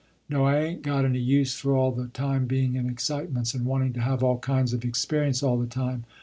"No I ain't got any use for all the time being in excitements and wanting to have all kinds of experience all the time.